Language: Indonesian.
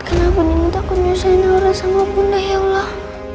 kenapa mending takut nyusahin aura sama bunda ya allah